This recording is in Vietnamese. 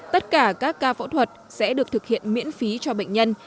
tất cả các ca phẫu thuật sẽ được thực hiện miễn phí cho bệnh nhân